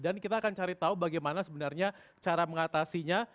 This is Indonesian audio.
dan kita akan cari tahu bagaimana sebenarnya cara mengatasinya